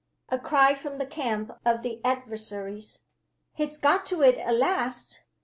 A cry from the camp of the adversaries: "He's got to it at last!